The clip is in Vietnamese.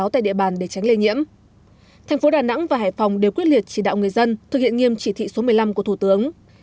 thành phố đà nẵng và hải phòng đều quyết liệt chỉ đạo người dân thực hiện nghiêm chỉ thị số một mươi năm của thủ tướng